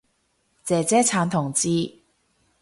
姐姐撐同志